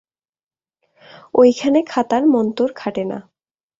ঐখানে খাতার মন্তর খাটে না।